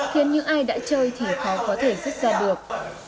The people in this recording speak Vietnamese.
khiến những ai đã chơi thì khó có thể xét xa được